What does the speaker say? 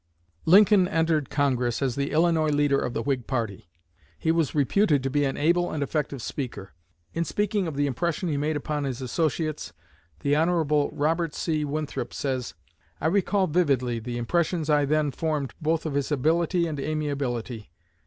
Lincoln entered Congress as the Illinois leader of the Whig party. He was reputed to be an able and effective speaker. In speaking of the impression he made upon his associates, the Hon. Robert C. Winthrop says: "I recall vividly the impressions I then formed both of his ability and amiability.